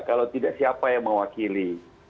kalau tidak siapa yang mewakili